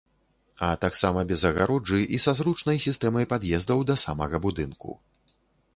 А таксама без агароджы і са зручнай сістэмай пад'ездаў да самага будынку.